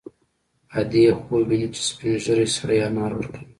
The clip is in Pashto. ادې یې خوب ویني چې سپین ږیری سړی انار ورکوي